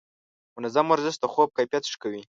منظم ورزش د خوب کیفیت ښه کوي.